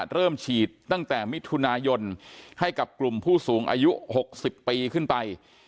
เริ่มฉีดตั้งแต่มิถุนายนให้กับกลุ่มผู้สูงอายุ๖๐ปีขึ้นไป